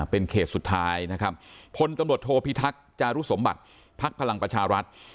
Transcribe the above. เป็นเขตสุดท้ายนะครับพลตำรวจโทพิทักษ์จารุสมบัติภักดิ์พลังประชารัฐ